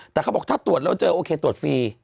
แต่เขาบอกถ้าตรวจแล้วเจอโอเคตรวจฟรี